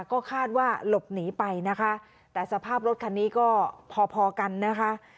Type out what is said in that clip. ก็คาดว่าหลบหนีไปนะคะแต่สภาพรถคันนี้ก็พอพอกันนะคะ